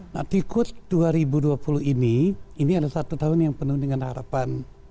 nah tikus dua ribu dua puluh ini ini adalah satu tahun yang penuh dengan harapan